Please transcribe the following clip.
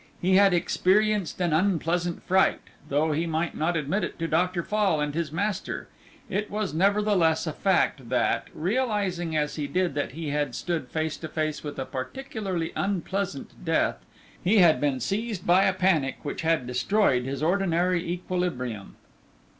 He had experienced an unpleasant fright, though he might not admit it to Dr. Fall and his master; it was nevertheless a fact that, realizing as he did that he had stood face to face with a particularly unpleasant death, he had been seized by a panic which had destroyed his ordinary equilibrium.